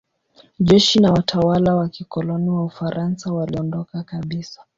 Jeshi na watawala wa kikoloni wa Ufaransa waliondoka kabisa.